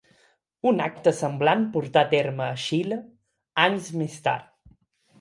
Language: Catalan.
Un acte semblant portà a terme a Xile anys més tard.